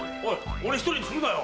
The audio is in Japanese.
俺一人にするなよ！